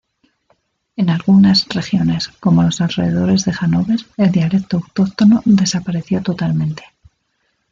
En algunas regiones, como los alrededores de Hanóver, el dialecto autóctono desapareció totalmente.